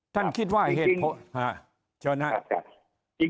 ท่านคิดว่าเหตุผลเชิญครับ